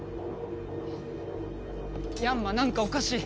ヤンマなんかおかしい。